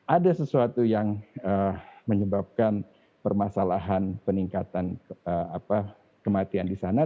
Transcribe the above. ada sesuatu yang menyebabkan permasalahan peningkatan kematian di sana